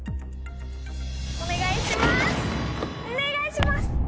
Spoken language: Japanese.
お願いします！